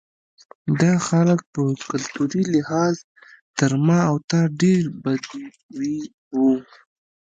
دا خلک په کلتوري لحاظ تر ما او تا ډېر بدوي وو.